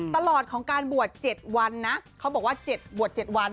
ตลอดของการบวช๗วันนะเขาบอกว่า๗บวช๗วัน